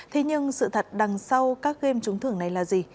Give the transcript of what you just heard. thế nhưng sự thật đằng sau các game trúng thưởng này là gì